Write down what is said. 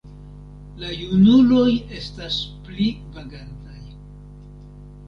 La junuloj estas pli vagantaj.